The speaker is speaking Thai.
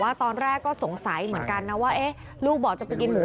ตอนแรกก็สงสัยเหมือนกันนะว่าลูกบอกจะไปกินหมู